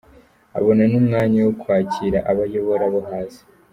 Abona n’umwanya wo kwakira abo ayobora bo hasi.